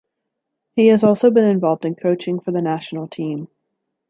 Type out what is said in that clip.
He has also been involved in coaching for the national team.